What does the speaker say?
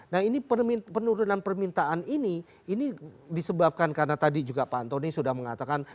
nah ini penurunan permintaan ini ini disebabkan karena tadi juga pak antoni sudah mengatakan